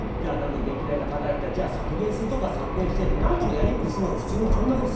電気代が高いって言ったら削減するとこは削減してってなんとかやり繰りするのが普通の感覚です。